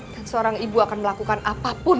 dan seorang ibu akan melakukan apapun